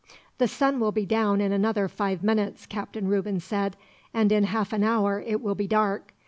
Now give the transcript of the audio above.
"The sun will be down in another five minutes," Captain Reuben said, "and in half an hour it will be dark.